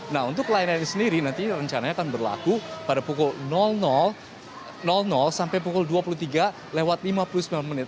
nah untuk layanan ini sendiri nanti rencananya akan berlaku pada pukul sampai pukul dua puluh tiga lewat lima puluh sembilan menit